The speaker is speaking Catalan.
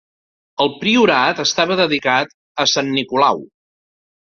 El priorat estava dedicat a Sant Nicolau.